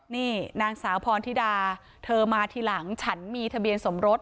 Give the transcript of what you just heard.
นี่นางสาวพรธิดาเธอมาทีหลังฉันมีทะเบียนสมรส